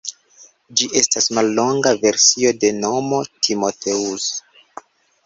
Ĝi estas mallonga versio de nomo Timoteus.